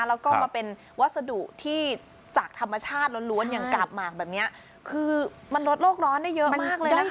แล้วก็มาเป็นวัสดุที่จากธรรมชาติล้วนอย่างกาบหมากแบบนี้คือมันลดโลกร้อนได้เยอะมากเลยนะคะ